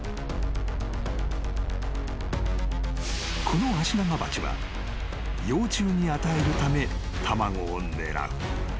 ［このアシナガバチは幼虫に与えるため卵を狙う］